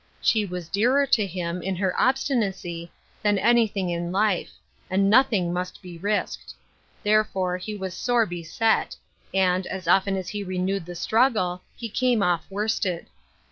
She was dearer to him, in her obstinacy, than anything in life — and noth ing must be risked. Therefore was he sore beset ; and, as often as he renewed the struggle, he came off worsted.